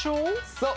そう。